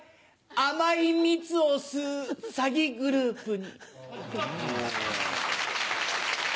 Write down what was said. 甘い蜜を吸う詐欺グループに。